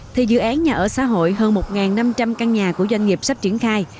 thì dự án nhà ở xã hội hơn một năm trăm linh căn nhà của doanh nghiệp sắp triển khai